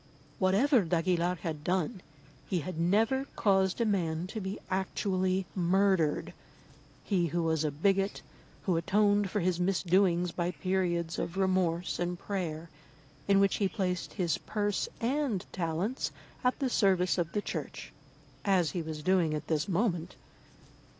Whatever d'Aguilar had done, he had never caused a man to be actually murdered, he who was a bigot, who atoned for his misdoings by periods of remorse and prayer, in which he placed his purse and talents at the service of the Church, as he was doing at this moment.